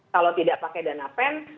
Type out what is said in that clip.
kalau tidak pakai dana pen